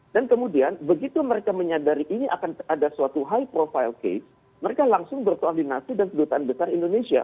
dan kemudian begitu mereka menyadari ini akan ada suatu high profile case mereka langsung bersoalinasi dengan pendudukan besar indonesia